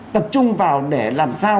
tập trung vào để làm sao